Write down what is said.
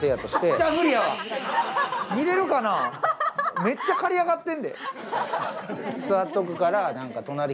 めっちゃ刈り上ってる。